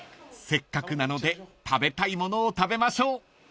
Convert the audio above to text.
［せっかくなので食べたいものを食べましょう］